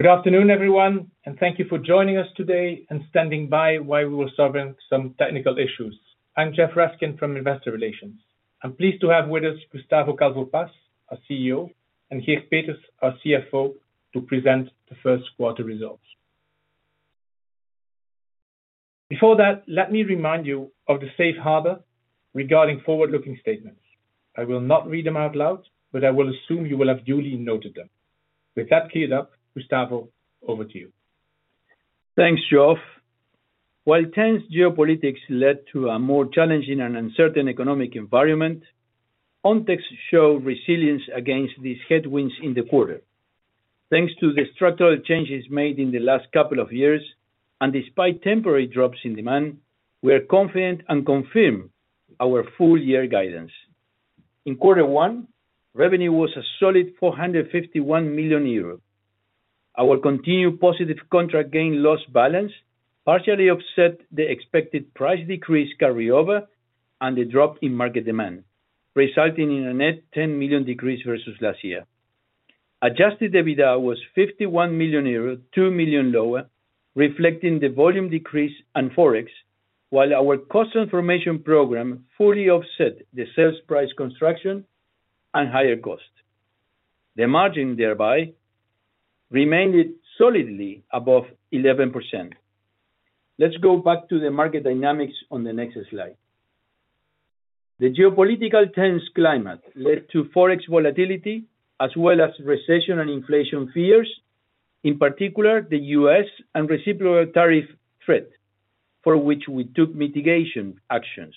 Good afternoon, everyone, and thank you for joining us today and standing by while we were solving some technical issues. I'm Geoff Raskin, from Investor Relations. I'm pleased to have with us Gustavo Calvo Paz, our CEO, and Geert Peeters, our CFO, to present the 1st quarter results. Before that, let me remind you of the safe harbor regarding forward-looking statements. I will not read them out loud, but I will assume you will have duly noted them. With that cleared up, Gustavo, over to you. Thanks, Geoff. While tense geopolitics led to a more challenging and uncertain economic environment, Ontex showed resilience against these headwinds in the quarter. Thanks to the structural changes made in the last couple of years, and despite temporary drops in demand, we are confident and confirm our full-year guidance. In quarter one, revenue was a solid 451 million euros. Our continued positive contract gain/loss balance partially offset the expected price decrease carryover and the drop in market demand, resulting in a net 10 million decrease versus last year. Adjusted EBITDA was 51 million euro, two million lower, reflecting the volume decrease and forex, while our cost transformation program fully offset the sales price construction and higher cost. The margin thereby remained solidly above 11%. Let's go back to the market dynamics on the next slide. The geopolitical tense climate led to forex volatility, as well as recession and inflation fears, in particular the U.S. and reciprocal tariff threat, for which we took mitigation actions.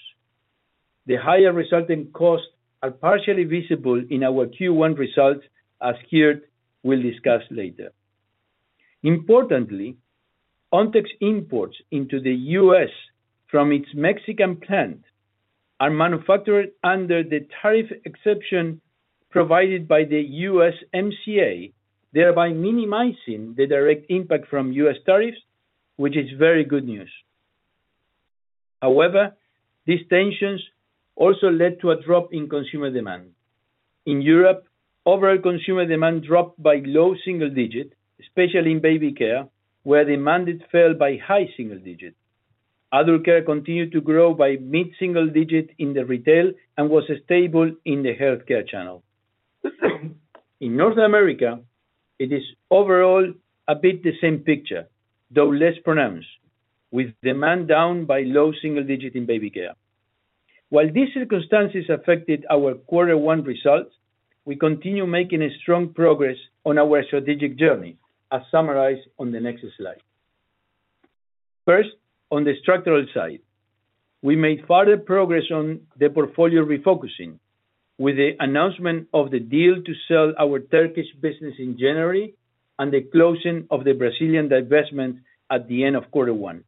The higher resulting costs are partially visible in our Q1 results, as Geert will discuss later. Importantly, Ontex imports into the U.S. from its Mexican plant are manufactured under the tariff exception provided by the USMCA, thereby minimizing the direct impact from U.S. tariffs, which is very good news. However, these tensions also led to a drop in consumer demand. In Europe, overall consumer demand dropped by low single digits, especially in baby care, where demand fell by high single digits. Other care continued to grow by mid-single digits in the retail and was stable in the healthcare channel. In North America, it is overall a bit the same picture, though less pronounced, with demand down by low single digits in baby care. While these circumstances affected our quarter one results, we continue making strong progress on our strategic journey, as summarized on the next slide. First, on the structural side, we made further progress on the portfolio refocusing, with the announcement of the deal to sell our Turkish business in January and the closing of the Brazilian divestment at the end of quarter one.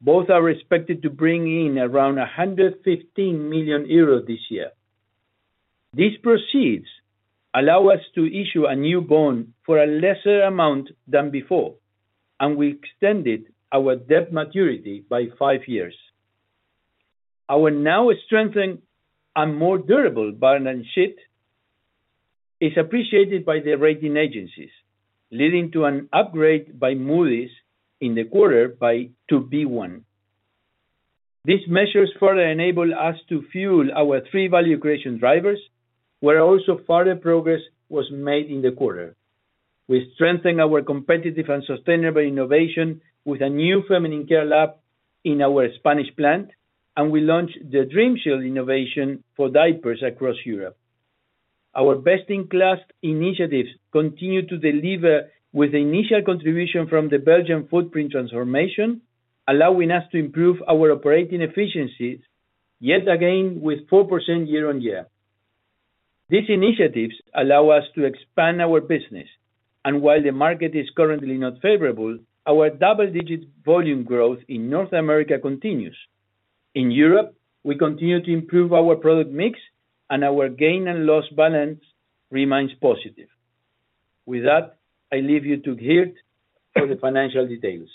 Both are expected to bring in around 115 million euros this year. These proceeds allow us to issue a new bond for a lesser amount than before, and we extended our debt maturity by five years. Our now strengthened and more durable balance sheet is appreciated by the rating agencies, leading to an upgrade by Moody's in the quarter to B1. These measures further enable us to fuel our three value creation drivers, where also further progress was made in the quarter. We strengthen our competitive and sustainable innovation with a new feminine care lab in our Spanish plant, and we launched the Dream Shield innovation for diapers across Europe. Our best-in-class initiatives continue to deliver with the initial contribution from the Belgian footprint transformation, allowing us to improve our operating efficiencies, yet again with 4% year on year. These initiatives allow us to expand our business, and while the market is currently not favorable, our double-digit volume growth in North America continues. In Europe, we continue to improve our product mix, and our gain and loss balance remains positive. With that, I leave you to Geert for the financial details.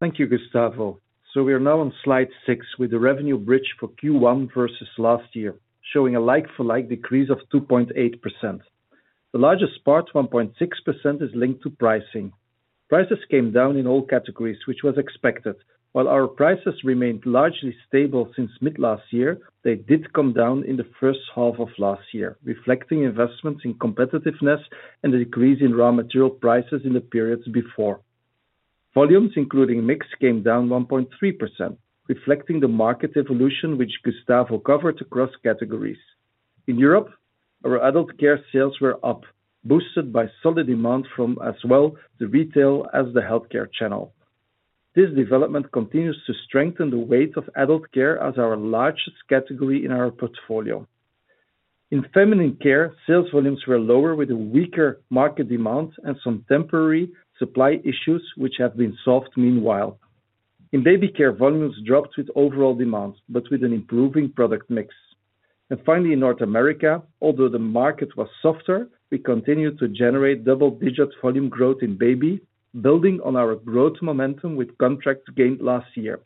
Thank you, Gustavo. We are now on slide six with the revenue bridge for Q1 versus last year, showing a like-for-like decrease of 2.8%. The largest part, 1.6%, is linked to pricing. Prices came down in all categories, which was expected. While our prices remained largely stable since mid-last year, they did come down in the first half of last year, reflecting investments in competitiveness and the decrease in raw material prices in the periods before. Volumes, including mix, came down 1.3%, reflecting the market evolution which Gustavo covered across categories. In Europe, our adult care sales were up, boosted by solid demand from as well the retail as the healthcare channel. This development continues to strengthen the weight of adult care as our largest category in our portfolio. In feminine care, sales volumes were lower with a weaker market demand and some temporary supply issues, which have been solved meanwhile. In baby care, volumes dropped with overall demand, but with an improving product mix. Finally, in North America, although the market was softer, we continued to generate double-digit volume growth in baby, building on our growth momentum with contracts gained last year.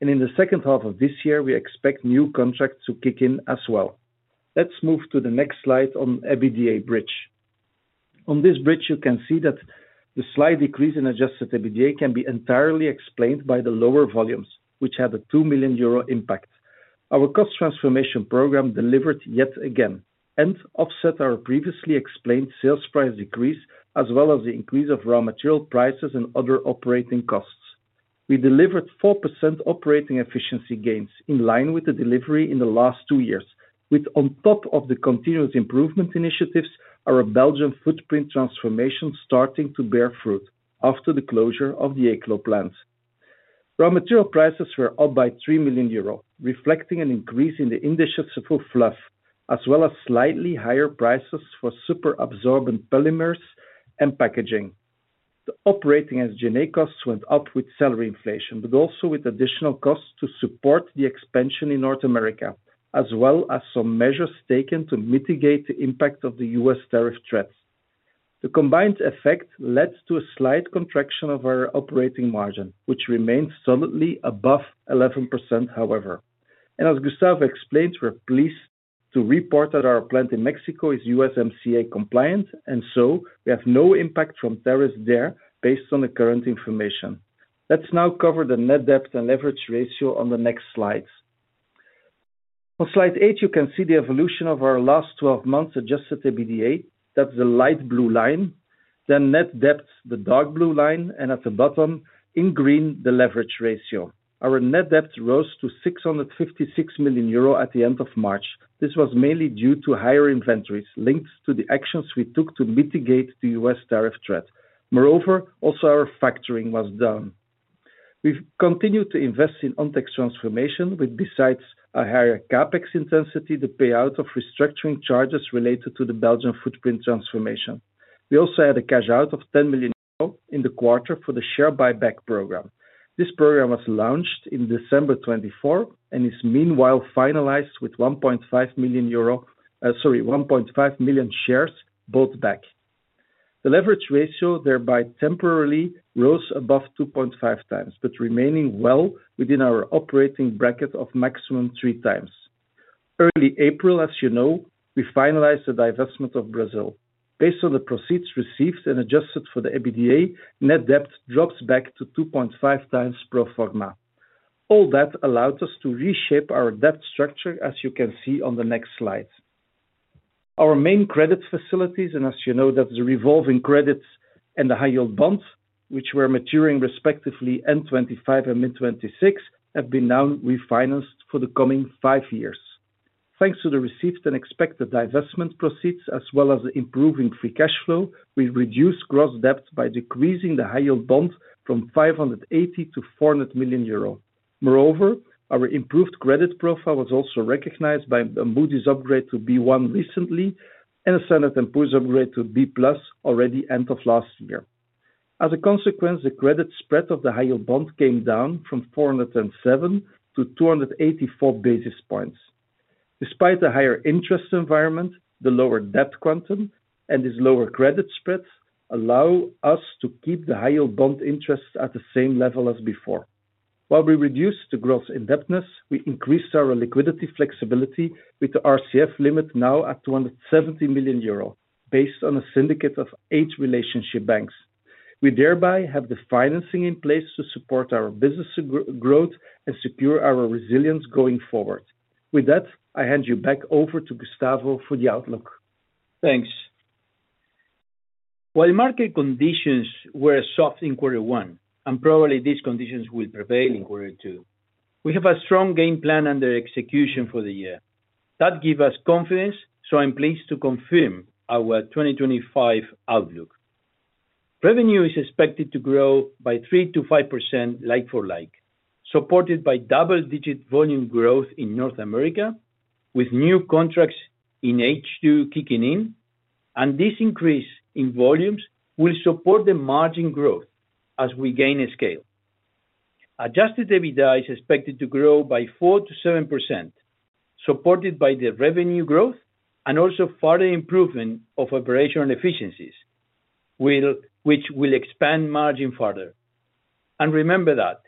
In the second half of this year, we expect new contracts to kick in as well. Let's move to the next slide on EBITDA bridge. On this bridge, you can see that the slight decrease in adjusted EBITDA can be entirely explained by the lower volumes, which had a 2 million euro impact. Our cost transformation program delivered yet again and offset our previously explained sales price decrease, as well as the increase of raw material prices and other operating costs. We delivered 4% operating efficiency gains in line with the delivery in the last two years, with on top of the continuous improvement initiatives, our Belgian footprint transformation starting to bear fruit after the closure of the ECLO plant. Raw material prices were up by 3 million euro, reflecting an increase in the indigestion for fluff, as well as slightly higher prices for super absorbent polymers and packaging. The operating and G&A costs went up with salary inflation, but also with additional costs to support the expansion in North America, as well as some measures taken to mitigate the impact of the U.S. tariff threats. The combined effect led to a slight contraction of our operating margin, which remained solidly above 11%, however. As Gustavo explained, we're pleased to report that our plant in Mexico is USMCA compliant, and so we have no impact from tariffs there based on the current information. Let's now cover the net debt and leverage ratio on the next slides. On slide eight, you can see the evolution of our last 12 months' adjusted EBITDA. That's the light blue line. Net debt, the dark blue line, and at the bottom in green, the leverage ratio. Our net debt rose to 656 million euro at the end of March. This was mainly due to higher inventories linked to the actions we took to mitigate the U.S. tariff threat. Moreover, also our factoring was down. We've continued to invest in Ontex transformation, which besides a higher capex intensity, the payout of restructuring charges related to the Belgian footprint transformation. We also had a cash out of 10 million euro in the quarter for the share buyback program. This program was launched in December 2024 and is meanwhile finalized with 1.5 million shares bought back. The leverage ratio thereby temporarily rose above 2.5 times, but remaining well within our operating bracket of maximum three times. Early April, as you know, we finalized the divestment of Brazil. Based on the proceeds received and adjusted for the EBITDA, net debt drops back to 2.5 times pro forma. All that allowed us to reshape our debt structure, as you can see on the next slide. Our main credit facilities, and as you know, that is the revolving credits and the high-yield bonds, which were maturing respectively in '25 and March 26, have been now refinanced for the coming five years. Thanks to the received and expected divestment proceeds, as well as the improving free cash flow, we reduced gross debt by decreasing the high-yield bond from 580 million to 400 million euro. Moreover, our improved credit profile was also recognized by Moody's upgrade to B1 recently and a S&P Global upgrade to B+ already end of last year. As a consequence, the credit spread of the high-yield bond came down from 407 to 284 basis points. Despite the higher interest environment, the lower debt quantum, and this lower credit spread allow us to keep the high-yield bond interests at the same level as before. While we reduced the gross indebtedness, we increased our liquidity flexibility with the RCF limit now at 270 million euro, based on a syndicate of eight relationship banks. We thereby have the financing in place to support our business growth and secure our resilience going forward. With that, I hand you back over to Gustavo for the outlook. Thanks. While market conditions were soft in quarter one, and probably these conditions will prevail in quarter two, we have a strong game plan under execution for the year. That gives us confidence, so I'm pleased to confirm our 2025 outlook. Revenue is expected to grow by 3%-5% like-for-like, supported by double-digit volume growth in North America, with new contracts in H2 kicking in, and this increase in volumes will support the margin growth as we gain scale. Adjusted EBITDA is expected to grow by 4%-7%, supported by the revenue growth and also further improvement of operational efficiencies, which will expand margin further. Remember that,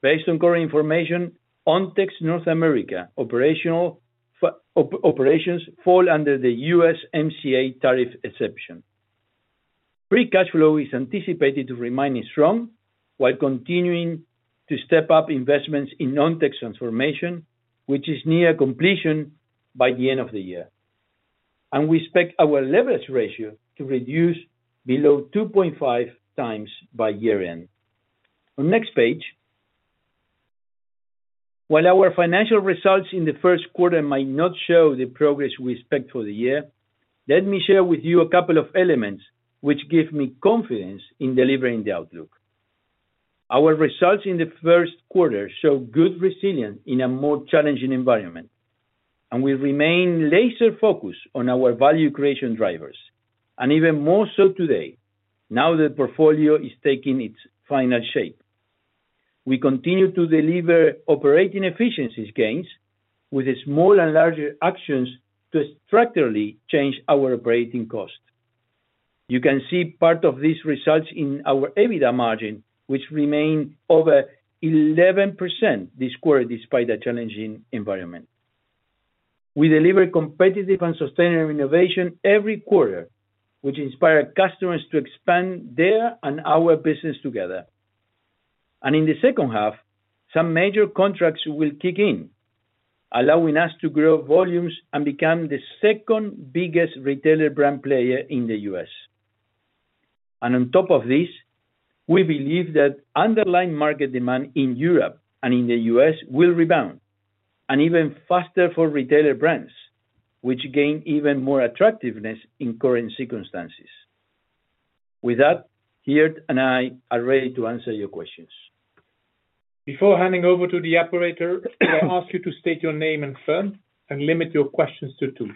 based on current information, Ontex North America operations fall under the USMCA tariff exception. Free cash flow is anticipated to remain strong while continuing to step up investments in Ontex transformation, which is near completion by the end of the year. We expect our leverage ratio to reduce below 2.5 times by year-end. On next page. While our financial results in the 1st quarter might not show the progress we expect for the year, let me share with you a couple of elements which give me confidence in delivering the outlook. Our results in the 1st quarter show good resilience in a more challenging environment, and we remain laser-focused on our value creation drivers, and even more so today, now the portfolio is taking its final shape. We continue to deliver operating efficiencies gains with small and larger actions to structurally change our operating cost. You can see part of these results in our EBITDA margin, which remained over 11% this quarter despite the challenging environment. We deliver competitive and sustainable innovation every quarter, which inspires customers to expand their and our business together. In the second half, some major contracts will kick in, allowing us to grow volumes and become the second biggest retailer brand player in the U.S. On top of this, we believe that underlying market demand in Europe and in the U.S. will rebound, and even faster for retailer brands, which gain even more attractiveness in current circumstances. With that, Geert and I are ready to answer your questions. Before handing over to the operator, I ask you to state your name and firm and limit your questions to two.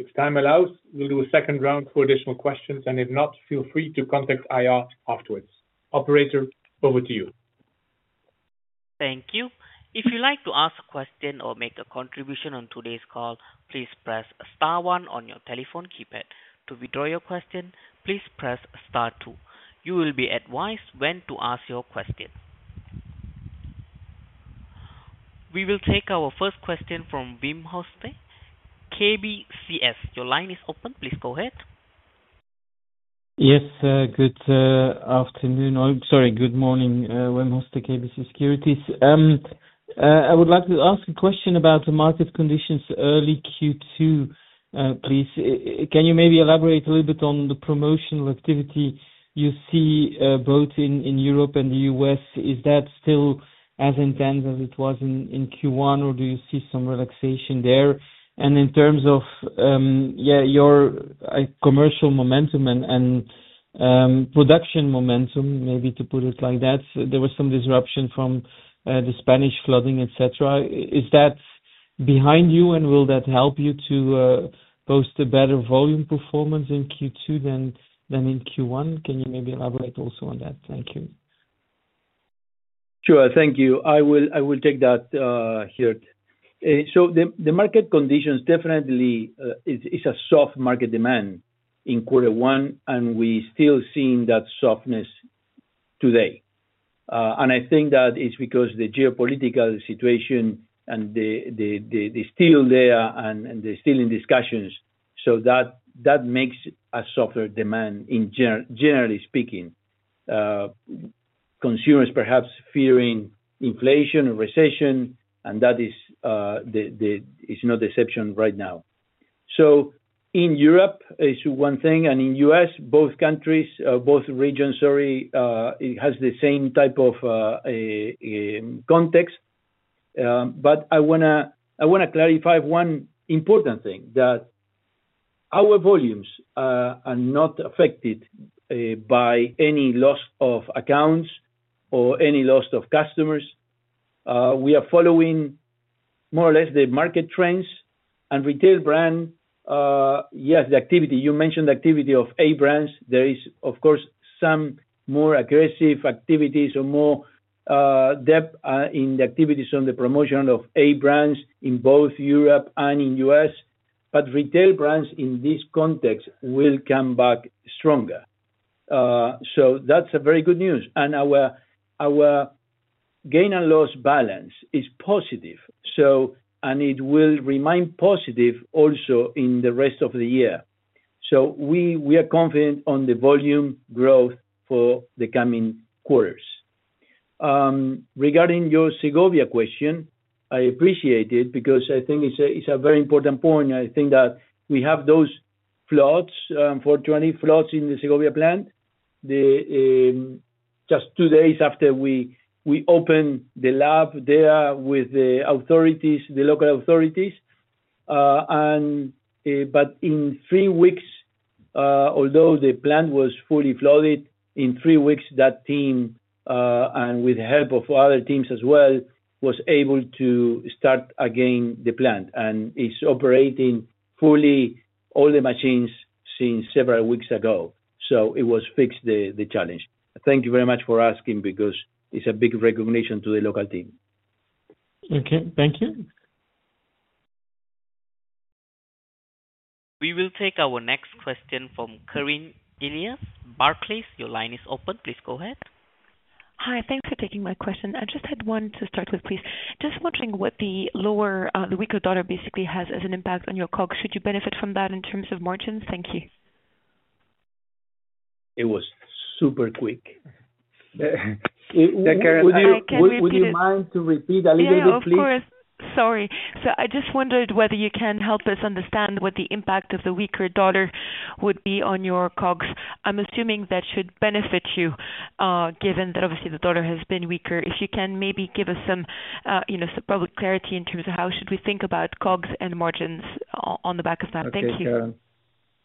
If time allows, we will do a second round for additional questions, and if not, feel free to contact IR afterwards. Operator, over to you. Thank you. If you'd like to ask a question or make a contribution on today's call, please press Star 1 on your telephone keypad. To withdraw your question, please press Star 2. You will be advised when to ask your question. We will take our first question from Wim Hoste, KBC Securities. Your line is open. Please go ahead. Yes, good afternoon. Sorry, good morning, Wim Hoste, KBC Securities. I would like to ask a question about the market conditions early Q2, please. Can you maybe elaborate a little bit on the promotional activity you see both in Europe and the U.S.? Is that still as intense as it was in Q1, or do you see some relaxation there? In terms of your commercial momentum and production momentum, maybe to put it like that, there was some disruption from the Spanish flooding, etc. Is that behind you, and will that help you to post a better volume performance in Q2 than in Q1? Can you maybe elaborate also on that? Thank you. Sure, thank you. I will take that, Geert. The market conditions definitely is a soft market demand in quarter one, and we're still seeing that softness today. I think that is because the geopolitical situation and the still there and the still in discussions, so that makes a softer demand, generally speaking. Consumers perhaps fearing inflation or recession, and that is not the exception right now. In Europe, it's one thing, and in the U.S., both countries, both regions, sorry, it has the same type of context. I want to clarify one important thing, that our volumes are not affected by any loss of accounts or any loss of customers. We are following more or less the market trends, and retail brand, yes, the activity, you mentioned the activity of A brands, there is, of course, some more aggressive activities or more depth in the activities on the promotion of A brands in both Europe and in the U.S., but retail brands in this context will come back stronger. That is very good news. Our gain and loss balance is positive, and it will remain positive also in the rest of the year. We are confident on the volume growth for the coming quarters. Regarding your Segovia question, I appreciate it because I think it is a very important point. I think that we have those floods, unfortunately, floods in the Segovia plant just two days after we opened the lab there with the local authorities. In three weeks, although the plant was fully flooded, in three weeks, that team, and with the help of other teams as well, was able to start again the plant. It is operating fully, all the machines since several weeks ago. It was fixed, the challenge. Thank you very much for asking because it is a big recognition to the local team. Okay, thank you. We will take our next question from Karine Elias Barclays. Your line is open. Please go ahead. Hi, thanks for taking my question. I just had one to start with, please. Just wondering what the lower, the weaker dollar basically has as an impact on your COGS. Would you benefit from that in terms of margins? Thank you. It was super quick. Would you mind to repeat a little bit, please? Yeah, of course. Sorry. I just wondered whether you can help us understand what the impact of the weaker dollar would be on your COGS. I'm assuming that should benefit you, given that obviously the dollar has been weaker. If you can maybe give us some public clarity in terms of how should we think about COGS and margins on the back of that. Thank you. Thank you.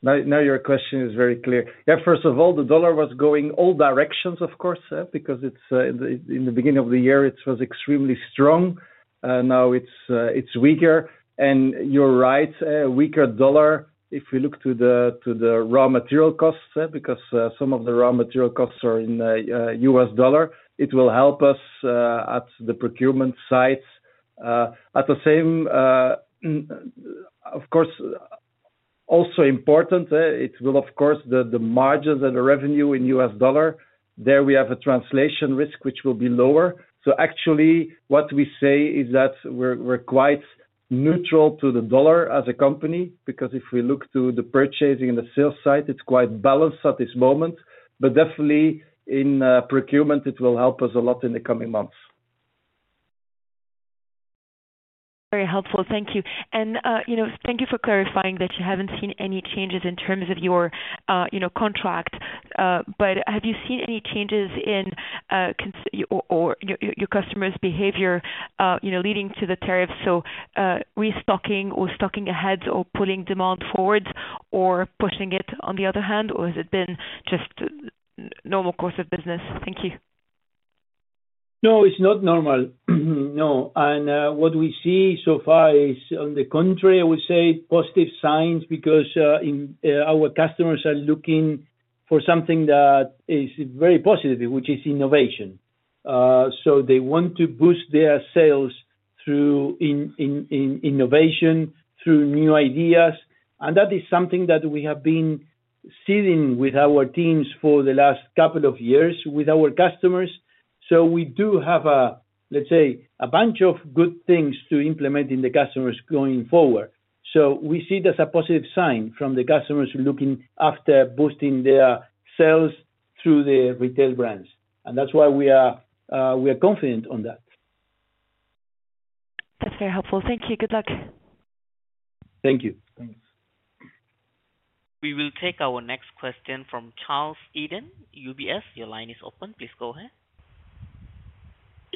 Now your question is very clear. Yeah, first of all, the dollar was going all directions, of course, because in the beginning of the year, it was extremely strong. Now it's weaker. And you're right, weaker dollar, if we look to the raw material costs, because some of the raw material costs are in U.S. dollar, it will help us at the procurement sites. At the same, of course, also important, it will, of course, the margins and the revenue in US dollar, there we have a translation risk, which will be lower. Actually, what we say is that we're quite neutral to the dollar as a company, because if we look to the purchasing and the sales side, it's quite balanced at this moment. But definitely in procurement, it will help us a lot in the coming months. Very helpful. Thank you. Thank you for clarifying that you haven't seen any changes in terms of your contract. Have you seen any changes in your customers' behavior leading to the tariffs, so restocking or stocking ahead or pulling demand forward or pushing it on the other hand, or has it been just normal course of business? Thank you. No, it's not normal. No. What we see so far is, on the contrary, I would say, positive signs because our customers are looking for something that is very positive, which is innovation. They want to boost their sales through innovation, through new ideas. That is something that we have been seeing with our teams for the last couple of years with our customers. We do have, let's say, a bunch of good things to implement in the customers going forward. We see it as a positive sign from the customers looking after boosting their sales through the retail brands. That's why we are confident on that. That's very helpful. Thank you. Good luck. Thank you. Thanks. We will take our next question from Charles Eden, UBS. Your line is open. Please go ahead.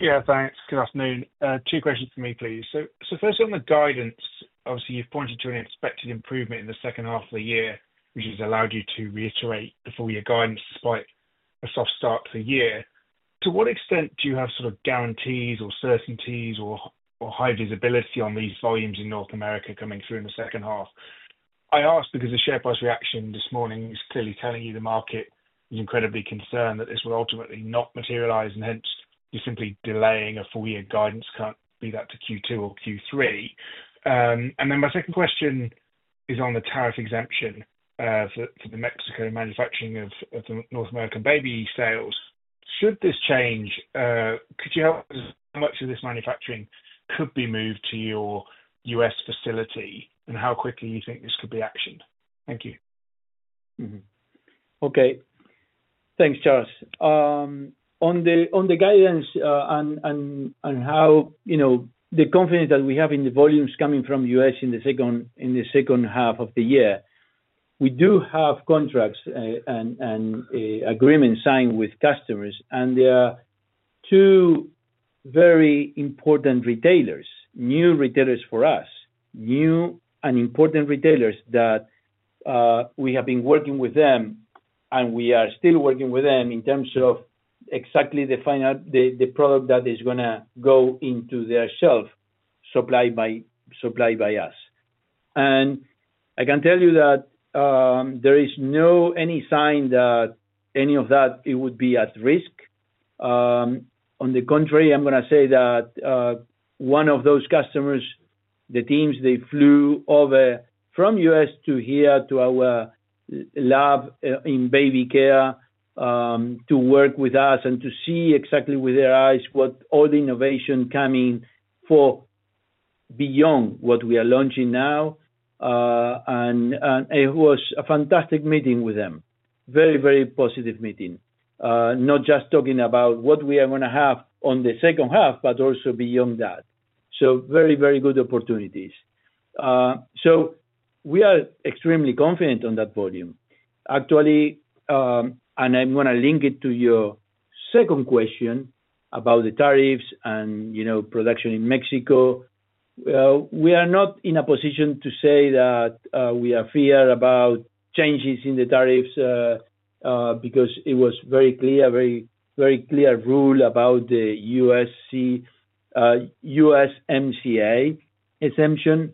Yeah, thanks. Good afternoon. Two questions for me, please. First, on the guidance, obviously, you've pointed to an expected improvement in the second half of the year, which has allowed you to reiterate the full-year guidance despite a soft start to the year. To what extent do you have sort of guarantees or certainties or high visibility on these volumes in North America coming through in the second half? I ask because the share price reaction this morning is clearly telling you the market is incredibly concerned that this will ultimately not materialize, and hence you're simply delaying a full-year guidance, can't be that to Q2 or Q3. My second question is on the tariff exemption for the Mexico manufacturing of the North American baby sales. Should this change, could you help us how much of this manufacturing could be moved to your U.S. facility, and how quickly you think this could be actioned? Thank you. Okay. Thanks, Charles. On the guidance and how the confidence that we have in the volumes coming from U.S. in the second half of the year, we do have contracts and agreements signed with customers, and there are two very important retailers, new retailers for us, new and important retailers that we have been working with them, and we are still working with them in terms of exactly the product that is going to go into their shelf supplied by us. I can tell you that there is no any sign that any of that would be at risk. On the contrary, I'm going to say that one of those customers, the teams, they flew over from U.S. to here to our lab in baby care to work with us and to see exactly with their eyes what all the innovation coming for beyond what we are launching now. It was a fantastic meeting with them, very, very positive meeting, not just talking about what we are going to have on the second half, but also beyond that. Very, very good opportunities. We are extremely confident on that volume. Actually, and I'm going to link it to your second question about the tariffs and production in Mexico. We are not in a position to say that we are feared about changes in the tariffs because it was very clear, very clear rule about the USMCA exemption,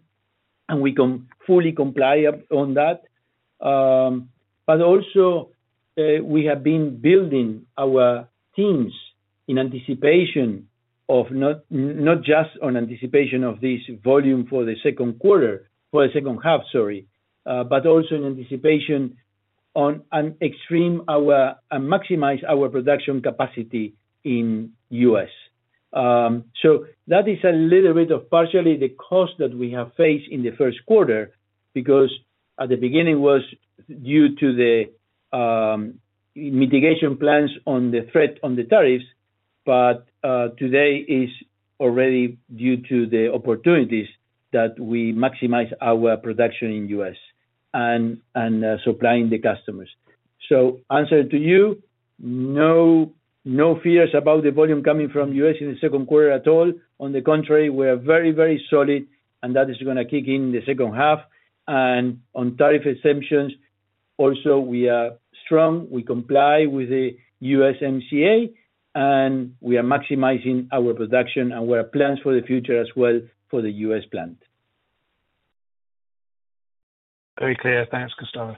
and we can fully comply on that. Also, we have been building our teams in anticipation of not just on anticipation of this volume for the second quarter, for the second half, sorry, but also in anticipation on maximizing our production capacity in U.S. That is a little bit of partially the cost that we have faced in the 1st quarter because at the beginning was due to the mitigation plans on the threat on the tariffs, but today is already due to the opportunities that we maximize our production in the U.S. and supplying the customers. To answer to you, no fears about the volume coming from the U.S. in the 2nd quarter at all. On the contrary, we are very, very solid, and that is going to kick in the second half. On tariff exemptions, also we are strong, we comply with the USMCA, and we are maximizing our production and our plans for the future as well for the U.S. plant. Very clear. Thanks, Gustavo.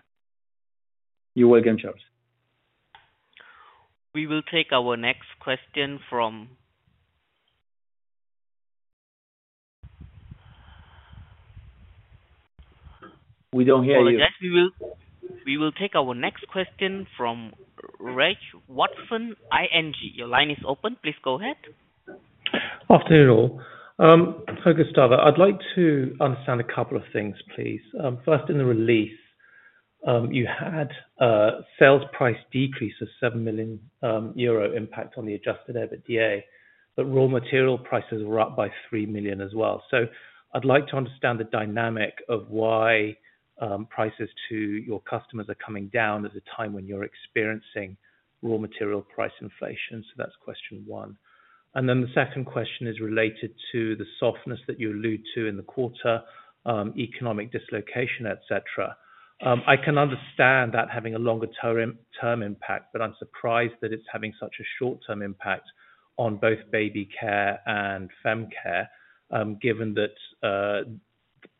You're welcome, Charles. We will take our next question from. We don't hear you. We will take our next question from Reg Watson, ING. Your line is open. Please go ahead. After all. Hi, Gustavo. I'd like to understand a couple of things, please. First, in the release, you had a sales price decrease of 7 million euro impact on the adjusted EBITDA, but raw material prices were up by 3 million as well. I'd like to understand the dynamic of why prices to your customers are coming down at a time when you're experiencing raw material price inflation. That's question one. The second question is related to the softness that you allude to in the quarter, economic dislocation, etc. I can understand that having a longer-term impact, but I'm surprised that it's having such a short-term impact on both baby care and fem care, given that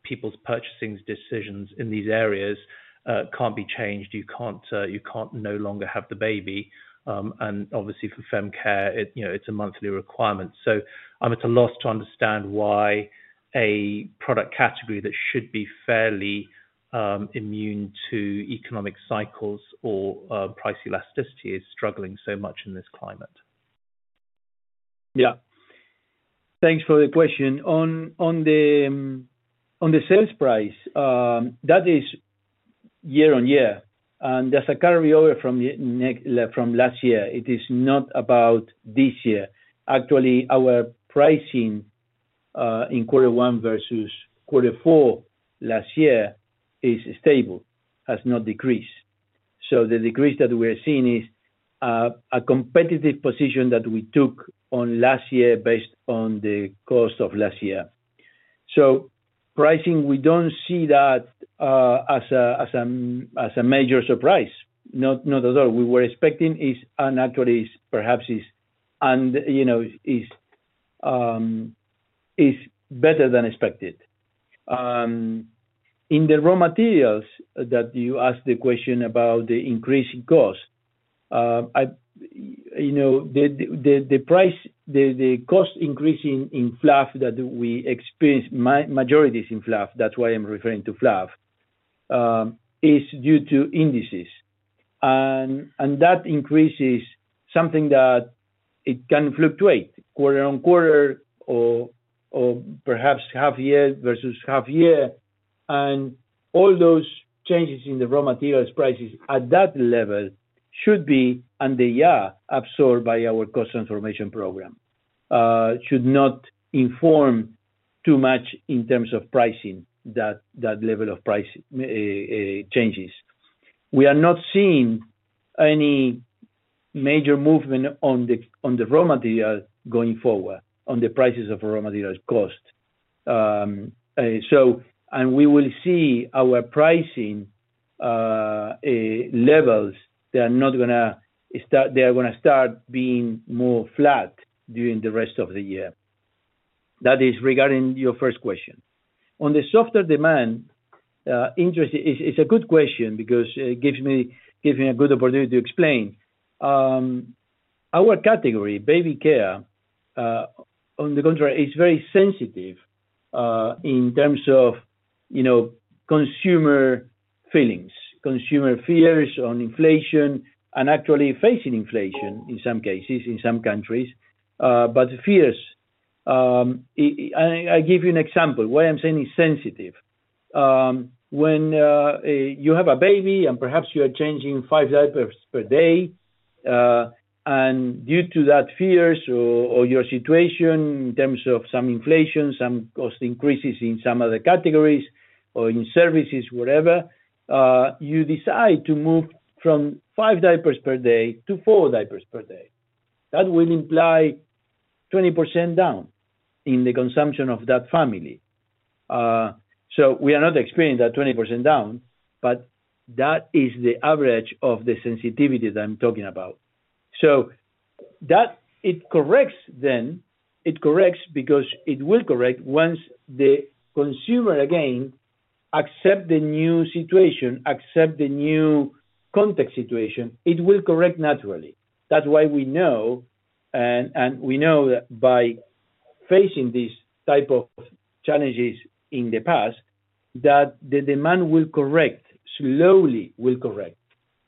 people's purchasing decisions in these areas can't be changed. You can't no longer have the baby. Obviously, for fem care, it's a monthly requirement. It's a loss to understand why a product category that should be fairly immune to economic cycles or price elasticity is struggling so much in this climate. Yeah. Thanks for the question. On the sales price, that is year on year. That is a carryover from last year. It is not about this year. Actually, our pricing in quarter one versus quarter four last year is stable, has not decreased. The decrease that we are seeing is a competitive position that we took on last year based on the cost of last year. Pricing, we do not see that as a major surprise. Not at all. We were expecting this, and actually perhaps this is better than expected. In the raw materials that you asked the question about, the increasing cost, the cost increase in FLAF that we experience, majority is in FLAF, that is why I am referring to FLAF, is due to indices. That increase is something that can fluctuate quarter on quarter or perhaps half year versus half year. All those changes in the raw materials prices at that level should be, and they are absorbed by our cost transformation program, should not inform too much in terms of pricing, that level of price changes. We are not seeing any major movement on the raw materials going forward, on the prices of raw materials cost. We will see our pricing levels, they are not going to start, they are going to start being more flat during the rest of the year. That is regarding your first question. On the software demand interest, it's a good question because it gives me a good opportunity to explain. Our category, baby care, on the contrary, is very sensitive in terms of consumer feelings, consumer fears on inflation, and actually facing inflation in some cases, in some countries. Fears, I give you an example. Why I'm saying it's sensitive. When you have a baby and perhaps you are changing five diapers per day, and due to that fears or your situation in terms of some inflation, some cost increases in some other categories or in services, whatever, you decide to move from five diapers per day to four diapers per day. That will imply 20% down in the consumption of that family. We are not experiencing that 20% down, but that is the average of the sensitivity that I'm talking about. It corrects then, it corrects because it will correct once the consumer again accepts the new situation, accepts the new context situation, it will correct naturally. That's why we know, and we know that by facing these type of challenges in the past, that the demand will correct, slowly will correct.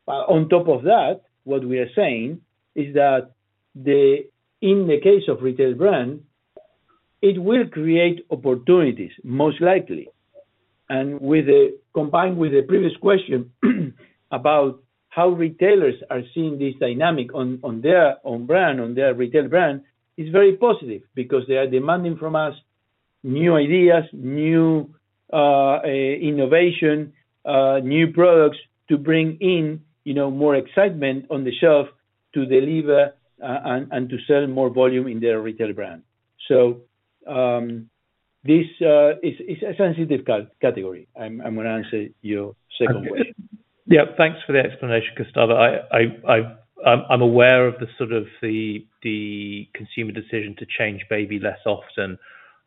On top of that, what we are saying is that in the case of retail brands, it will create opportunities, most likely. Combined with the previous question about how retailers are seeing this dynamic on their own brand, on their retail brand, it is very positive because they are demanding from us new ideas, new innovation, new products to bring in more excitement on the shelf to deliver and to sell more volume in their retail brand. This is a sensitive category. I'm going to answer your second question. Yeah. Thanks for the explanation, Gustavo. I'm aware of the sort of the consumer decision to change baby less often.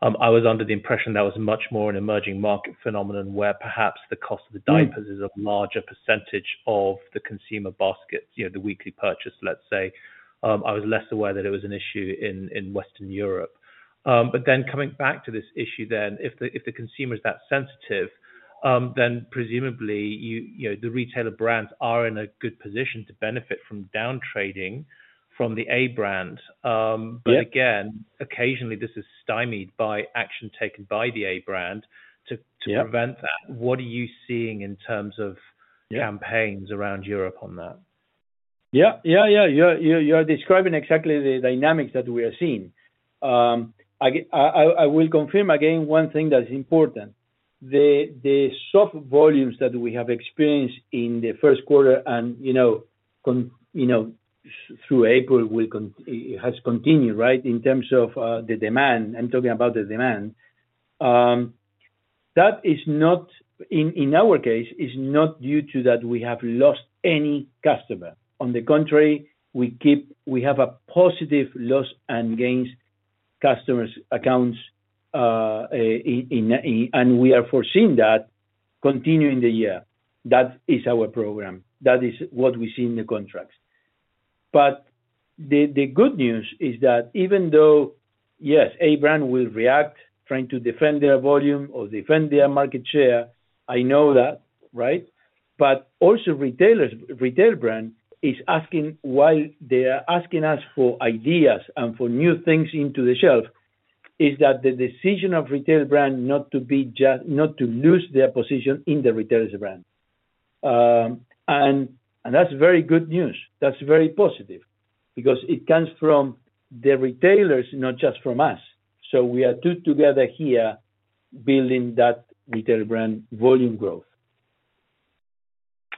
I was under the impression that was much more an emerging market phenomenon where perhaps the cost of the diapers is a larger percentage of the consumer basket, the weekly purchase, let's say. I was less aware that it was an issue in Western Europe. Then coming back to this issue, if the consumer is that sensitive, then presumably the retailer brands are in a good position to benefit from downtrading from the A brand. Again, occasionally this is stymied by action taken by the A brand to prevent that. What are you seeing in terms of campaigns around Europe on that? Yeah. Yeah, yeah. You are describing exactly the dynamics that we are seeing. I will confirm again one thing that is important. The soft volumes that we have experienced in the 1st quarter and through April has continued, right, in terms of the demand, I'm talking about the demand. That is not, in our case, is not due to that we have lost any customer. On the contrary, we have a positive loss and gains customers' accounts, and we are foreseeing that continuing the year. That is our program. That is what we see in the contracts. The good news is that even though, yes, a brand will react, trying to defend their volume or defend their market share, I know that, right? Retail brand is asking, while they are asking us for ideas and for new things into the shelf, is that the decision of retail brand not to lose their position in the retailers' brand. That is very good news. That is very positive because it comes from the retailers, not just from us. We are two together here building that retail brand volume growth.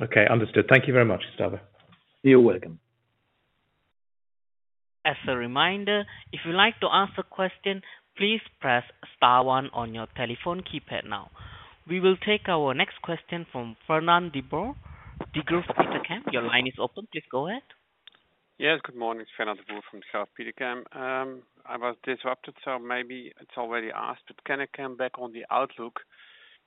Okay. Understood. Thank you very much, Gustavo. You're welcome. As a reminder, if you'd like to ask a question, please press star one on your telephone keypad now. We will take our next question from Fernand de Boer, Degroof Petercam. Your line is open. Please go ahead. Yes. Good morning. Fernand de Boer from Degroof Petercam. I was disrupted, so maybe it's already asked, but can I come back on the outlook?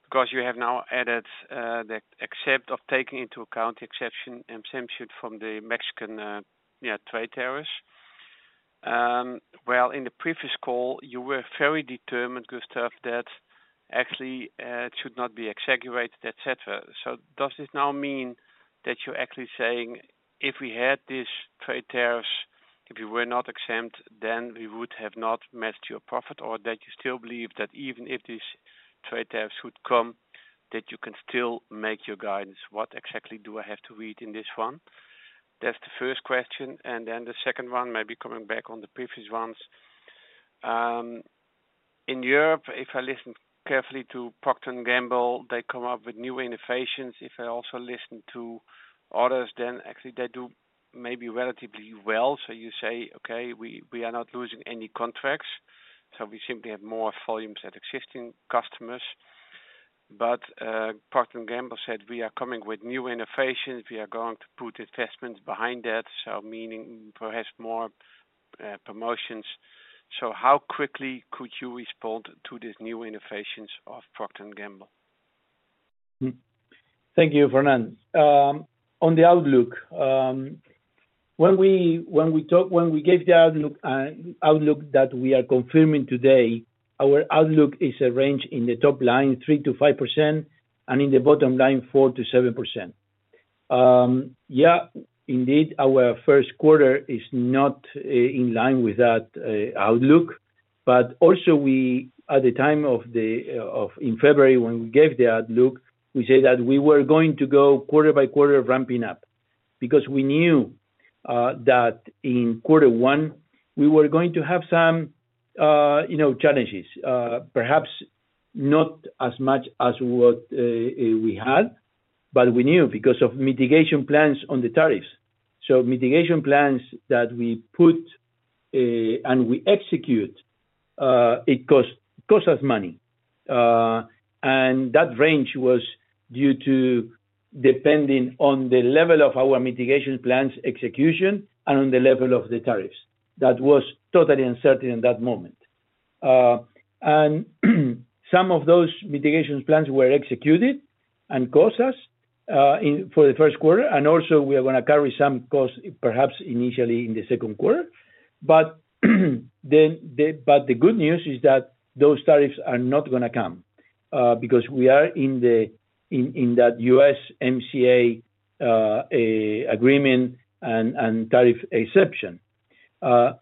Because you have now added the except of taking into account the exception and exemption from the Mexican trade tariffs. In the previous call, you were very determined, Gustavo, that actually it should not be exaggerated, etc. Does this now mean that you're actually saying if we had this trade tariffs, if you were not exempt, then we would have not matched your profit or that you still believe that even if this trade tariffs would come, that you can still make your guidance? What exactly do I have to read in this one? That's the first question. The second one, maybe coming back on the previous ones. In Europe, if I listen carefully to Procter & Gamble, they come up with new innovations. If I also listen to others, then actually they do maybe relatively well. You say, okay, we are not losing any contracts. We simply have more volumes at existing customers. Procter & Gamble said we are coming with new innovations. We are going to put investments behind that, meaning perhaps more promotions. How quickly could you respond to these new innovations of Procter & Gamble? Thank you, Fernand. On the outlook, when we gave the outlook that we are confirming today, our outlook is a range in the top line, 3-5%, and in the bottom line, 4-7%. Yeah, indeed, our 1st quarter is not in line with that outlook. Also, at the time in February when we gave the outlook, we said that we were going to go quarter by quarter ramping up because we knew that in quarter one, we were going to have some challenges, perhaps not as much as what we had, but we knew because of mitigation plans on the tariffs. Mitigation plans that we put and we execute, it costs us money. That range was due to depending on the level of our mitigation plans execution and on the level of the tariffs. That was totally uncertain in that moment. Some of those mitigation plans were executed and cost us for the 1st quarter. We are going to carry some costs, perhaps initially in the 2nd quarter. The good news is that those tariffs are not going to come because we are in that USMCA agreement and tariff exception. Our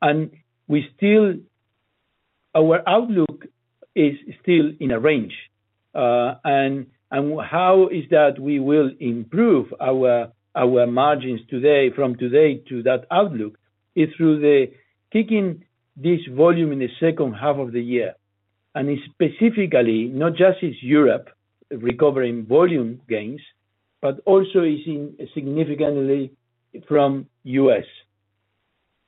outlook is still in a range. How we will improve our margins from today to that outlook is through kicking this volume in the second half of the year. Specifically, not just is Europe recovering volume gains, but also significantly from the U.S.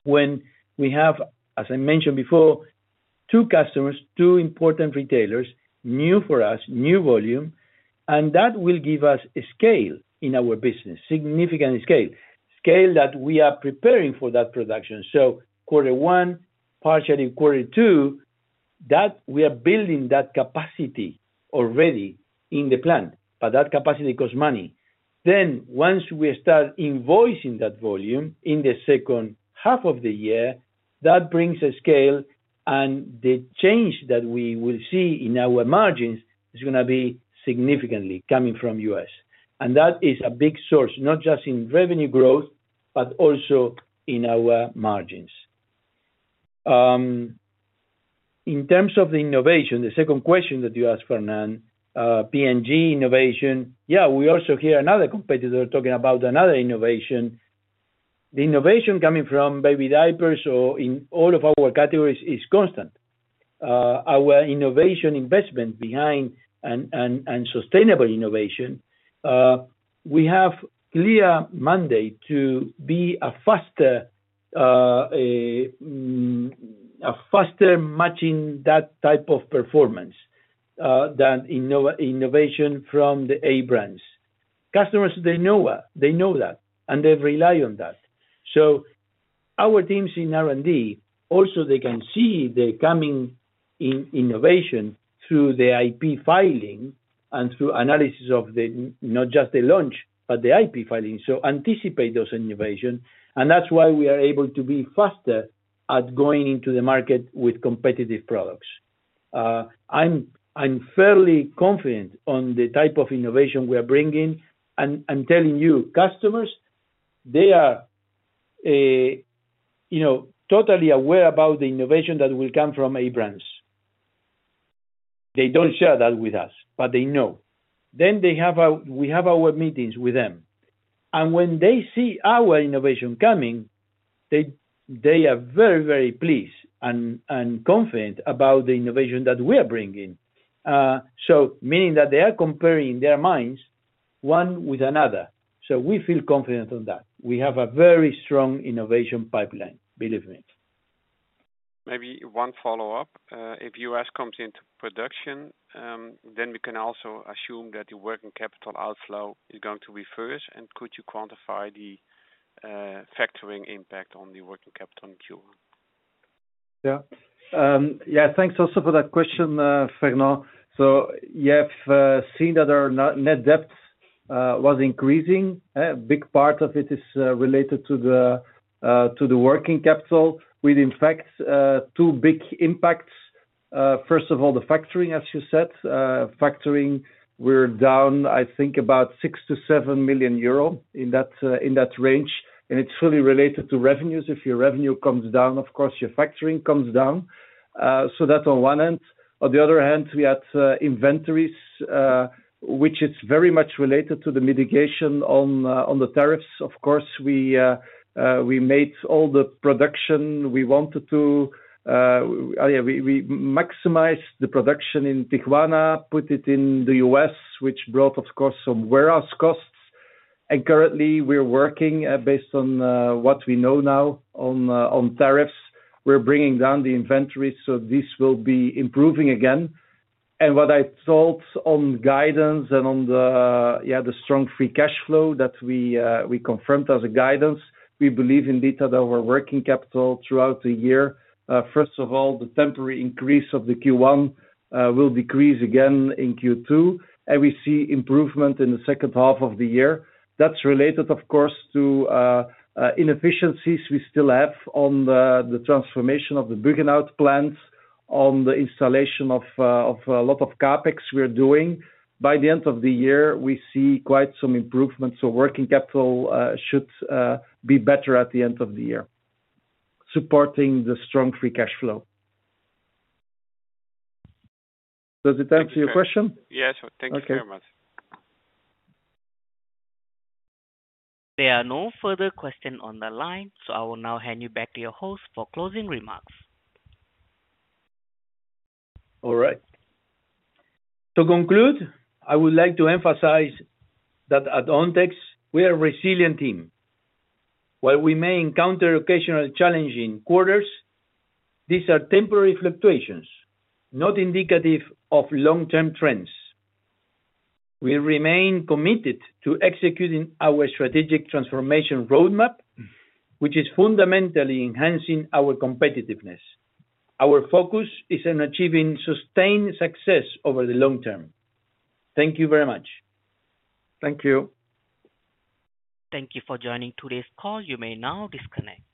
We have, as I mentioned before, two customers, two important retailers, new for us, new volume, and that will give us scale in our business, significant scale. Scale that we are preparing for that production. Quarter one, partially quarter two, that we are building that capacity already in the plant. That capacity costs money. Once we start invoicing that volume in the second half of the year, that brings a scale and the change that we will see in our margins is going to be significantly coming from US. That is a big source, not just in revenue growth, but also in our margins. In terms of the innovation, the second question that you asked, Fernand, P&G innovation, yeah, we also hear another competitor talking about another innovation. The innovation coming from baby diapers or in all of our categories is constant. Our innovation investment behind and sustainable innovation, we have clear mandate to be a faster matching that type of performance than innovation from the A brands. Customers, they know that. They know that. They rely on that. Our teams in R&D, also they can see the coming innovation through the IP filing and through analysis of not just the launch, but the IP filing. They anticipate those innovations. That is why we are able to be faster at going into the market with competitive products. I'm fairly confident on the type of innovation we are bringing. I'm telling you, customers, they are totally aware about the innovation that will come from A brands. They don't share that with us, but they know. We have our meetings with them. When they see our innovation coming, they are very, very pleased and confident about the innovation that we are bringing. That means that they are comparing their minds one with another. We feel confident on that. We have a very strong innovation pipeline, believe me. Maybe one follow-up. If U.S. comes into production, then we can also assume that the working capital outflow is going to be first. Could you quantify the factoring impact on the working capital in Q1? Yeah. Yeah. Thanks also for that question, Fernand. You have seen that our net debt was increasing. A big part of it is related to the working capital. We have in fact two big impacts. First of all, the factoring, as you said. Factoring, we are down, I think, about 6-7 million euro in that range. It is really related to revenues. If your revenue comes down, of course, your factoring comes down. That is on one end. On the other hand, we had inventories, which is very much related to the mitigation on the tariffs. Of course, we made all the production we wanted to. We maximized the production in Tijuana, put it in the U.S., which brought, of course, some warehouse costs. Currently, we are working based on what we know now on tariffs. We are bringing down the inventory. This will be improving again. What I thought on guidance and on the strong free cash flow that we confirmed as a guidance, we believe indeed that our working capital throughout the year, first of all, the temporary increase of the Q1 will decrease again in Q2. We see improvement in the second half of the year. That is related, of course, to inefficiencies we still have on the transformation of the Büchentracht plants, on the installation of a lot of CapEx we are doing. By the end of the year, we see quite some improvement. Working capital should be better at the end of the year, supporting the strong free cash flow. Does it answer your question? Yes. Thank you very much. There are no further questions on the line. I will now hand you back to your host for closing remarks. All right. To conclude, I would like to emphasize that at Ontex, we are a resilient team. While we may encounter occasional challenging quarters, these are temporary fluctuations, not indicative of long-term trends. We remain committed to executing our strategic transformation roadmap, which is fundamentally enhancing our competitiveness. Our focus is on achieving sustained success over the long term. Thank you very much. Thank you. Thank you for joining today's call. You may now disconnect.